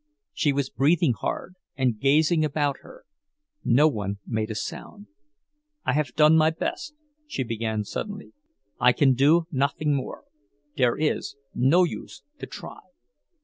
She stood breathing hard, and gazing about her; no one made a sound. "I haf done my best," she began suddenly. "I can do noffing more—dere is no use to try."